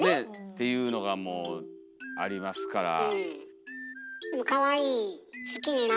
っていうのがもうありますから。